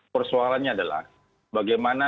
persoalannya adalah bagaimana